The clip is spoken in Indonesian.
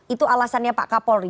itu alasannya pak kapolri